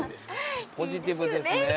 ポジティブですね。